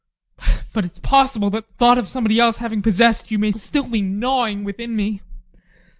But it's possible that the thought of somebody else having possessed you may still be gnawing within me.